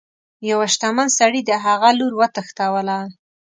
یوه شتمن سړي د هغه لور وتښتوله.